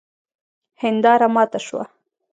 هنداره ماته سوه